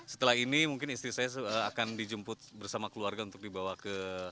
setelah ini mungkin istri saya akan dijemput bersama keluarga untuk dibawa ke